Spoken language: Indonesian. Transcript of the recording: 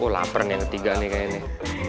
oh lapar nih yang ketiga nih kayaknya nih